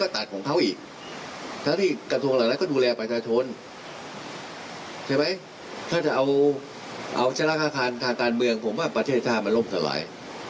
ถ้าเอาเชลศาการทางการเมืองผมว่าประเทศทางล้มสลาย